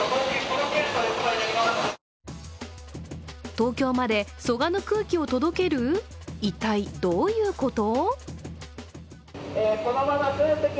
東京まで蘇我の空気を届ける一体、どういうこと？